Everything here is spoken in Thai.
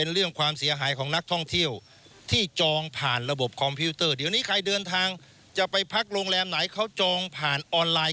เดี๋ยวไปตามดูครับ